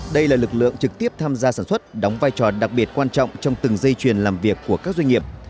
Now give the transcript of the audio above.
đây là lực lượng trực tiếp tham gia sản xuất đóng vai trò đặc biệt quan trọng trong từng dây chuyền làm việc của các doanh nghiệp